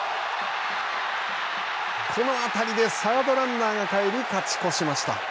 この当たりでサードランナーが帰り勝ち越しました。